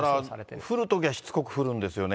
結構だから、降るときはしつこく降るんですよね。